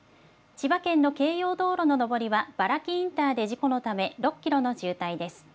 千葉県の京葉道路の上りは、原木インターで事故のため６キロの渋滞です。